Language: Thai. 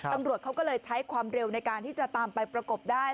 ตำรวจเขาก็เลยใช้ความเร็วในการที่จะตามไปประกบได้